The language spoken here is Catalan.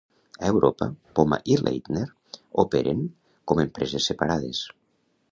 A Europa, Poma i Leitner operen com empreses separades.